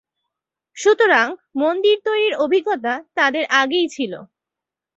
সুতরাং, মন্দির তৈরির অভিজ্ঞতা তাঁদের আগেই ছিল।